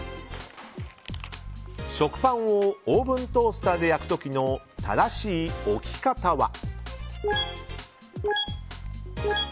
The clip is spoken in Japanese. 食パンをオーブントースターで焼く時の正しい置き方は。